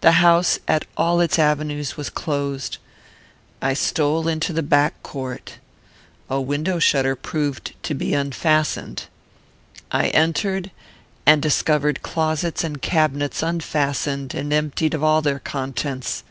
The house, at all its avenues, was closed. I stole into the back court. A window shutter proved to be unfastened. I entered, and discovered closets and cabinets unfastened and emptied of all their contents.